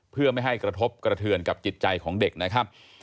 เพื่อไม่ให้กระทบกระเทือนกับจิตใจของเด็กนะครับ